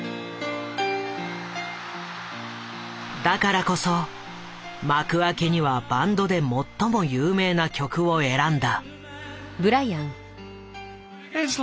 だからこそ幕開けにはバンドで最も有名な曲を選んだ。